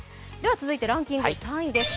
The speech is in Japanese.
続いてランキング３位です。